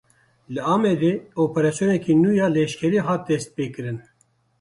Li Amedê operasyoneke nû ya leşkerî hat destpêkirin.